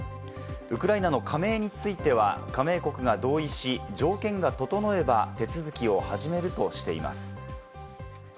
ウクライナの加盟については、加盟国が同意し、条件が整えば手続きを始めるとしています。